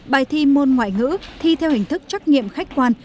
bài thi môn ngoại ngữ thi theo hình thức trắc nghiệm khách quan